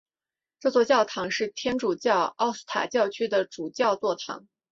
这座教堂是天主教奥斯塔教区的主教座堂。